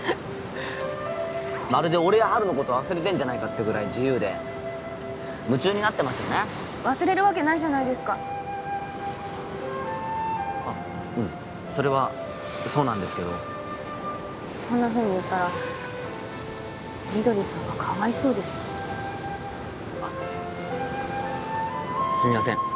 まるで俺や陽のこと忘れてんじゃないかってぐらい自由で夢中になってますよね忘れるわけないじゃないですかあっうんそれはそうなんですけどそんなふうに言ったらみどりさんがかわいそうですあっすみません